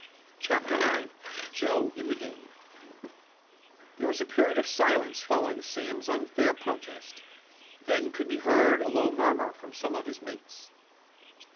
CHAPTER IX JOE IN THE GAME There was a period of silence following Sam's unfair protest. Then could be heard a low murmur from some of his mates.